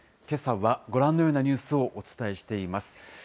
けさは、ご覧のようなニュースをお伝えしています。